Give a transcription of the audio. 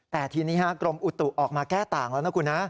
แต่ทีนี้กรมอุตุออกมาแก้ต่างแล้วนะคุณนะ